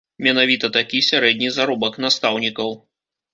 Менавіта такі сярэдні заробак настаўнікаў.